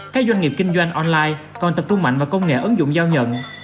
các doanh nghiệp kinh doanh online còn tập trung mạnh vào công nghệ ứng dụng giao nhận